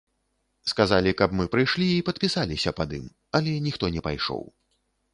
Сказалі, каб мы прыйшлі і падпісаліся пад ім, але ніхто не пайшоў.